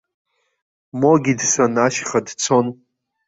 Могидсон ашьха дцон.